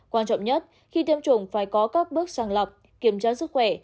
quan trọng nhất khi tiêm chủng phải có các bước sàng lọc kiểm tra sức khỏe